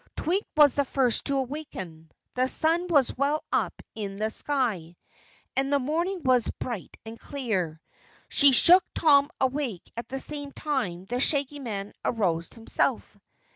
Twink was the first to awaken. The sun was well up in the sky, and the morning was bright and clear. She shook Tom awake and at the same time the Shaggy Man aroused himself.